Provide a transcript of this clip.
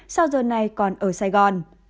sao giờ này còn ở sài gòn